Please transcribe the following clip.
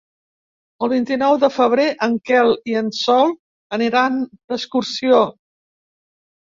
El vint-i-nou de febrer en Quel i en Sol aniran d'excursió.